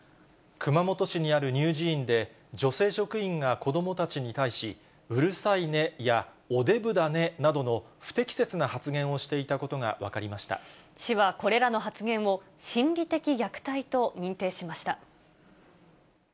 熊本市にある乳児院で、女性職員が子どもたちに対し、うるさいねや、おでぶだねなどの不適切な発言をしていたことが分市はこれらの発言を、心理的虐待と認定しました。